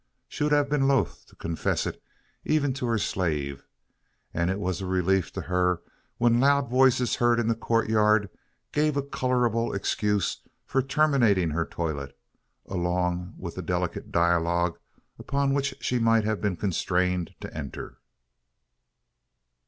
She would have been loth to confess it, even to her slave; and it was a relief to her, when loud voices heard in the courtyard gave a colourable excuse for terminating her toilette, along with the delicate dialogue upon which she might have been constrained to enter.